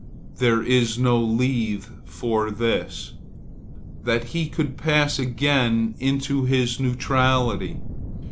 There is no Lethe for this. Ah, that he could pass again into his neutrality!